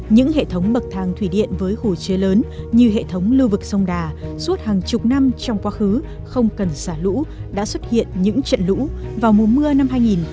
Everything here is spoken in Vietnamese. những hệ thống bậc thang thủy điện với hồ chứa lớn như hệ thống lưu vực sông đà suốt hàng chục năm trong quá khứ không cần xả lũ đã xuất hiện những trận lũ vào mùa mưa năm hai nghìn một mươi tám